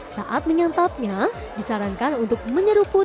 saat menyantapnya disarankan untuk menyeruput